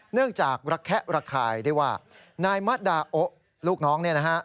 เนื่องจากระแคะระคายได้ว่านายมัดดาโอ๊ะลูกน้องเนี่ยนะฮะ